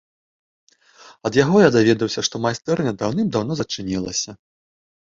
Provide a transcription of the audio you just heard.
Ад яго я даведаўся, што майстэрня даўным-даўно зачынілася.